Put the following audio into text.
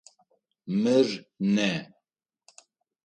Мыр нэ.